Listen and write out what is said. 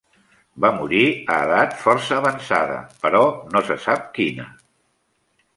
Va morir a edat força avançada però no se sap quina.